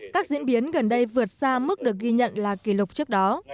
các diễn biến gần đây vượt xa mức được ghi nhận là kỷ lục trước đó